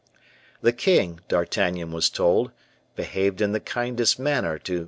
The king, D'Artagnan was told, behaved in the kindest manner to M.